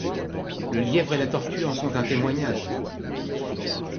Le lièvre et la tortue en sont un témoignage.